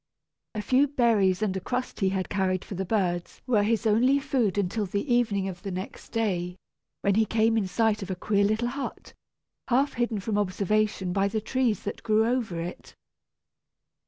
A few berries and a crust he had carried for the birds were his only food until the evening of the next day, when he came in sight of a queer little hut, half hidden from observation by the trees that grew over it.